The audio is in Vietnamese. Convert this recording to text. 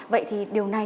vậy thì điều này